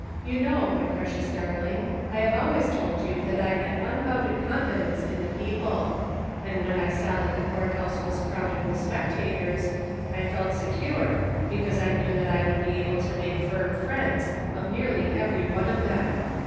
You know, my precious darling, I have always told you that I had unbounded con fidence in the 'people ; and when I saw that the court house was crowded with spectators, I felt secure, because I knew that I would be able to make firm friends of nearly every one of them.